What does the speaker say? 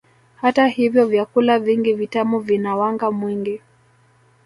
Hata hivyo vyakula vingi vitamu vina wanga mwingi